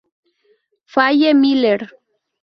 Faye Miller.